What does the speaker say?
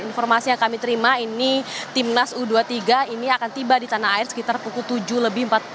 informasi yang kami terima ini timnas u dua puluh tiga ini akan tiba di tanah air sekitar pukul tujuh lebih empat puluh